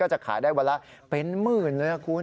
จะขายได้วันละเป็นหมื่นเลยนะคุณ